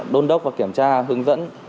đôn đốc và kiểm tra hướng dẫn